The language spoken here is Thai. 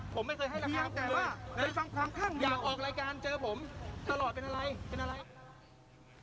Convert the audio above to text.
ผมไม่เคยให้ราคาผมเลยอยากออกรายการเจอผมตลอดเป็นอะไร